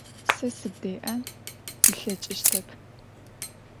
Se sıbdê'en slheç'ıştep.